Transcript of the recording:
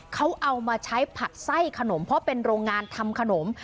เขาเอามาใช้ผัดไส้ขนมเพราะเป็นโรงงานทำขนม